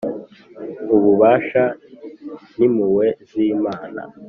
Ububasha n’impuhwe z’Imana